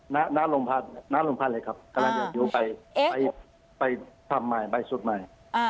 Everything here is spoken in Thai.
หน้าโรงพักเลยครับอยู่ไปทำหมายไปสุดหมาย